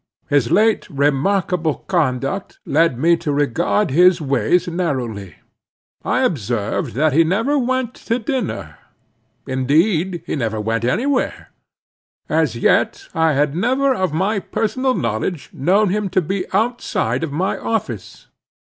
His late remarkable conduct led me to regard his ways narrowly. I observed that he never went to dinner; indeed that he never went any where. As yet I had never of my personal knowledge known him to be outside of my office.